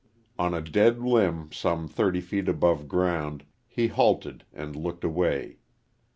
On a dead limb, some thirty feet above ground, he halted and looked away.